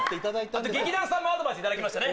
あと劇団さんもアドバイスいただきましたね